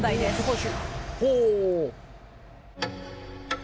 ほう。